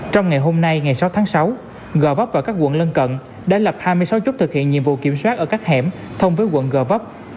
trong ngày hôm nay ngày sáu tháng sáu g vấp và các quận lân cận đã lập hai mươi sáu chốt thực hiện nhiệm vụ kiểm soát ở các hẻm thông với quận gò vấp